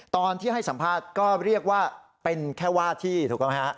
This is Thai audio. ตอนที่ให้สัมภาษณ์ก็เรียกว่าเป็นแค่ว่าที่ถูกต้องไหมฮะ